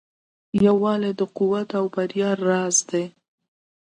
یووالی د قوت او بریا راز دی.